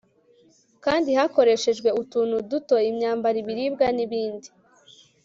kandi hakoreshejwe utuntu duto (imyambaro, ibiribwa n'ibindi..